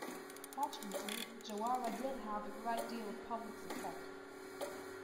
Fortunately, Jawara did have a great deal of public support.